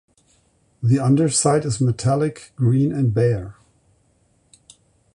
The underside is metallic green and bare.